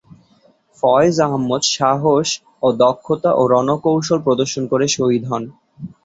ফয়েজ আহমদ সাহস, দক্ষতা ও রণকৌশল প্রদর্শন করে শহীদ হন।